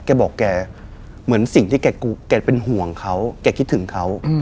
แกบอกแกเหมือนสิ่งที่แกเป็นห่วงเขาแกคิดถึงเขา